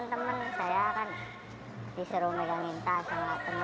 jadi kan saya medan batu